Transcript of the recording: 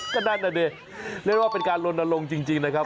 ก็นั่นน่ะดิเรียกว่าเป็นการลนลงจริงนะครับ